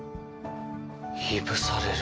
いぶされる。